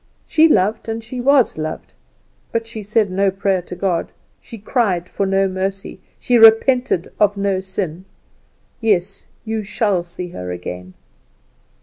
She loved and she was loved; but she said no prayer to God; she cried for no mercy; she repented of no sin! Yes; you shall see her again."